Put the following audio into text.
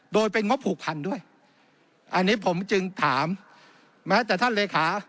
โดยเป็นงบผูกพันด้วยอันนี้ผมจึงถามแม้แต่ท่านเลขา